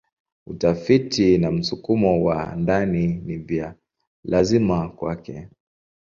Utafiti na msukumo wa ndani ni vya lazima kwake.